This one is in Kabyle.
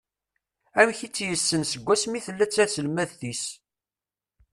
Amek i tt-yessen segmi tella d taselmadt-is.